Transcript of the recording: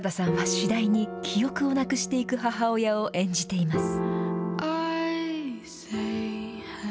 原田さんは、次第に記憶をなくしていく母親を演じています。